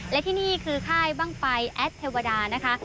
และที่นี่คือค่ายบ้างไฟแอดเทวดานะคะ